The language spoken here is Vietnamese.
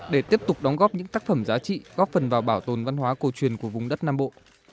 để tiếp tục đóng góp những tác phẩm giá trị góp phần vào bảo tồn văn hóa cổ truyền của vùng đất nam bộ